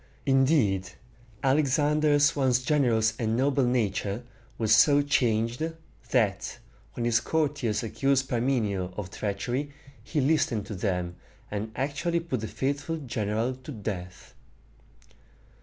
Indeed, Alexander's once generous and noble nature was so changed, that, when his courtiers accused Parmenio of treachery, he listened to them, and actually put the faithful general to death.